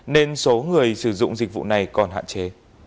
nên số người sử dụng dịch vụ này còn hạn chế